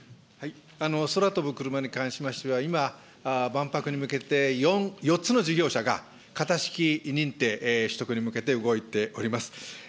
空飛ぶクルマに関しましては、今、万博に向けて４つの事業者が、型式認定取得に向けて動いております。